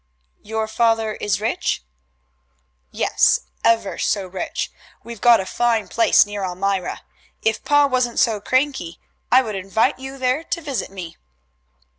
"Your father is rich?" "Yes, ever so rich. We've got a fine place near Elmira. If pa wasn't so cranky I would invite you there to visit me."